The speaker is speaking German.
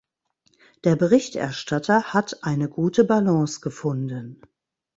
Der Berichterstatter hat eine gute Balance gefunden.